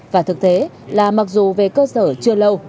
và thực tế là mặc dù về cơ sở chưa lâu